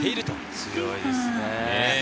強いですね。